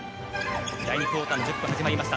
第２クオーターの１０分始まりました。